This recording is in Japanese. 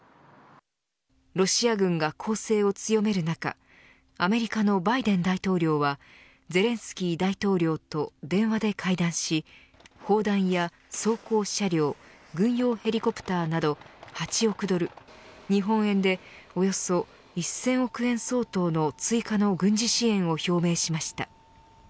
ロシア軍が攻勢を強める中アメリカのバイデン大統領はゼレンスキー大統領と電話で会談し砲弾や装甲車両軍用ヘリコプターなど８億ドル、日本円でおよそ１０００億円相当の追加の軍事支援を表明しました。